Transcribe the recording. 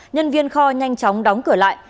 nhân viên kho nhanh chóng đóng cửa lại